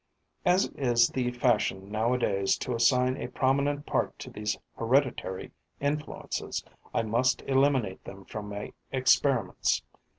As it is the fashion nowadays to assign a prominent part to these hereditary influences, I must eliminate them from my experiments.